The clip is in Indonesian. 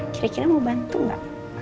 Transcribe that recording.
kira kira mau bantu nggak